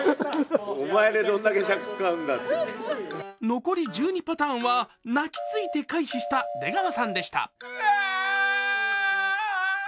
残り１２パターンは泣きついて回避した出川さんでした。